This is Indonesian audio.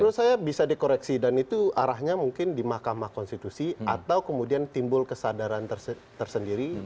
menurut saya bisa dikoreksi dan itu arahnya mungkin di mahkamah konstitusi atau kemudian timbul kesadaran tersendiri